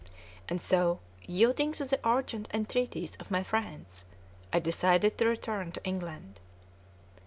And so, yielding to the urgent entreaties of my friends, I decided to return to England.